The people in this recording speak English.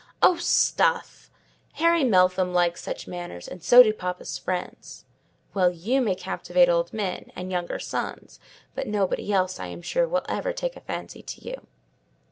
"Oh, stuff! Harry Meltham likes such manners; and so do papa's friends." "Well, you may captivate old men, and younger sons; but nobody else, I am sure, will ever take a fancy to you."